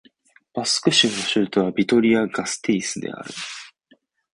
バスク州の州都はビトリア＝ガステイスである